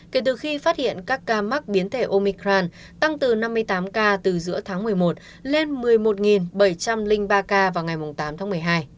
kể từ khi phát hiện các ca mắc biến thể omicran tăng từ năm mươi tám ca từ giữa tháng một mươi một lên một mươi một bảy trăm linh ba ca vào ngày tám tháng một mươi hai